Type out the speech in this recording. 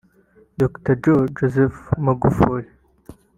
Dr John Joseph Magufuli